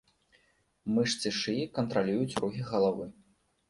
Мышцы шыі кантралююць рухі галавы.